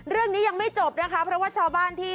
เรื่องนี้ยังไม่จบนะคะเพราะว่าชาวบ้านที่